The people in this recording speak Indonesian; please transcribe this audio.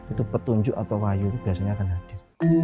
itu petunjuk atau wahyu itu biasanya akan hadir